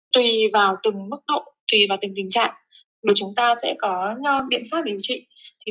tùy vào từng mức độ tùy vào từng tình trạng chúng ta sẽ có biện pháp điều trị